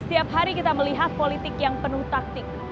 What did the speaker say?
setiap hari kita melihat politik yang penuh taktik